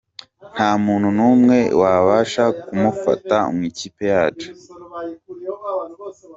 Nta muntu n’umwe Wabasha kumufata mu ikipe yacu.